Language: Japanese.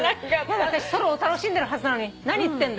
ソロを楽しんでるはずなのに何言ってんだ。